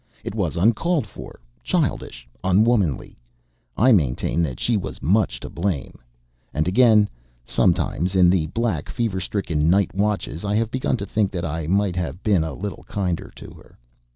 It was uncalled for; childish; unwomanly. I maintain that she was much to blame. And again, sometimes, in the black, fever stricken night watches, I have begun to think that I might have been a little kinder to her.